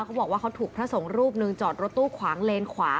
เขาบอกว่าเขาถูกพระสงฆ์รูปหนึ่งจอดรถตู้ขวางเลนขวา